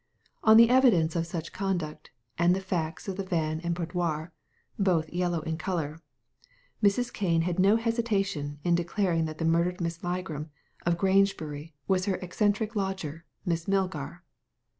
On the evidence of such conduct, and the facts of the van and boudoir (both yellow in colour), Mrs. Kane had no hesitation in declaring that the murdered Miss Ugram, of Grangebiuy, was her eccentric lodger, Miss Milgar.